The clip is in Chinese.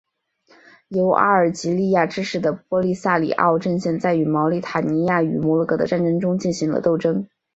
由阿尔及利亚支持的波利萨里奥阵线在与毛里塔尼亚和摩洛哥的战争中进行了斗争。